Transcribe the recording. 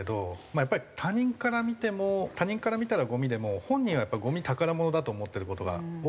やっぱり他人から見ても他人から見たらゴミでも本人はやっぱりゴミ宝物だと思ってる事が多いですからね。